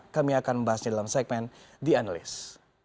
kami akan membahasnya dalam segmen the analyst